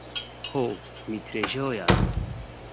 Ho, mi tre ĝojas.